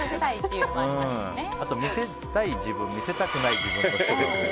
あと見せたい自分見せたくない自分でこう。